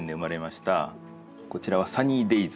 こちらは「サニーデイズ」。